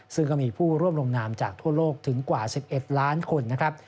ซึ่งก็มีผู้ร่วมลงนามจากทั่วโลกถึงกว่า๑๑ล้านคนนะครับ